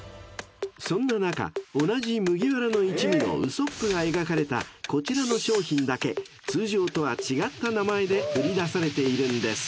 ［そんな中同じ麦わらの一味のウソップが描かれたこちらの商品だけ通常とは違った名前で売り出されているんです］